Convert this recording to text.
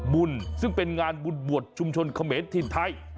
บุญซึ่งเป็นงานบุญบวชชุมชนเขมรถิ่นไทย